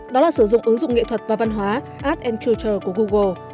đó là sử dụng ứng dụng nghệ thuật và văn hóa art culture của google